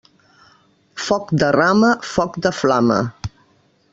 Foc de rama, foc de flama.